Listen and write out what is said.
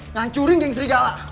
ngancurin geng serigala